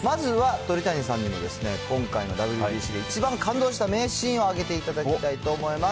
まずは鳥谷さんにも今回のＷＢＣで一番感動した名シーンを挙げていただきたいと思います。